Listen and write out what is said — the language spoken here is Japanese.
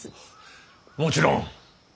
もちろん。